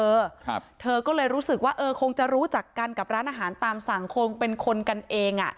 เธอก็เลยรู้สึกว่าเออคงจะรู้จักกันกับร้านอาหารตามสั่งคงเป็นคนกันเองอ่ะ